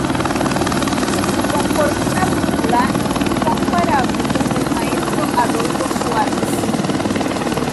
Conformó una dupla incomparable con el maestro Adolfo Suárez.